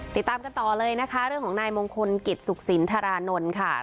ติดตามกันต่อเลยนะคะเรื่องของนายมงคลกิจสุขสินธารานนท์ค่ะ